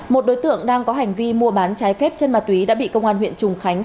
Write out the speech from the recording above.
một đối tượng đang có hành vi mua bán trái phép chân ma túy đã bị công an huyện trùng khánh